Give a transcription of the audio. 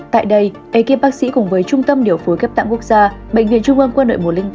tại đây ekip bác sĩ cùng với trung tâm điều phúi ghép tặng quốc gia bệnh viện trung ân quân nội một trăm linh tám